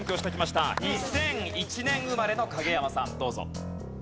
２００１年生まれの影山さんどうぞ。